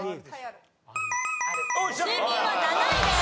睡眠は７位です。